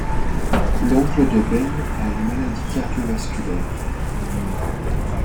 L'oncle de Ben a une maladie cardiovasculaire.